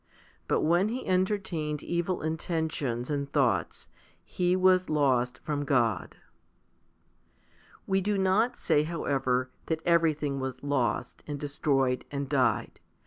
But when he entertained evil intentions and thoughts, he was lost from God. 2. We do not say, however, that everything was lost, and destroyed, and died.